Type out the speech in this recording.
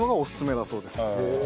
へえ。